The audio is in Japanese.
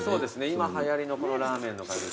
今はやりのこのラーメンの感じですね。